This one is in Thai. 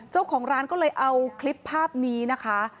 เจ้าของร้านก็เลยเอาคลิปภาพนี้นะคะ